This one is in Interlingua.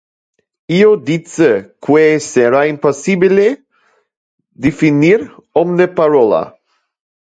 Io dice que sera impossibile definir omne parola.